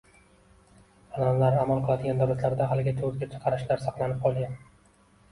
Anʼanalar amal qiladigan davlatlarda haligacha oʻzgacha qarashlar saqlanib qolgan.